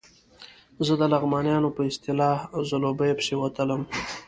زه د لغمانیانو په اصطلاح ځلوبیو پسې وتلم.